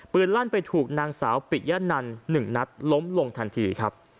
ลั่นไปถูกนางสาวปิยะนัน๑นัดล้มลงทันทีครับ